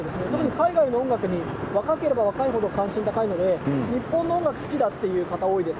海外の音楽に若ければ若い程関心が高いので日本の音楽が好きという方がいます。